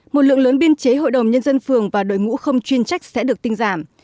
một lượng lớn biên chế hội đồng nhân dân phường và đội ngũ không chuyên trách sẽ được tinh giảm